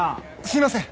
すいません。